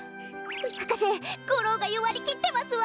はかせゴローがよわりきってますわ。